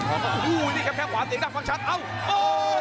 โอ้โหนี่ครับแค่งขวาเสียงดังฟังชัดเอ้าโอ้